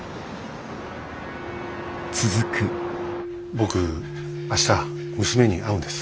僕明日娘に会うんです。